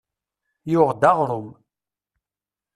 Yuɣ-d aɣrum.